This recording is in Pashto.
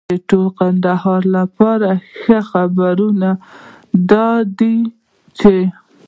د ټول کندهار لپاره ښه خبرونه دا دي چې